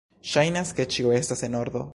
Ŝajnas ke ĉio estas en ordo.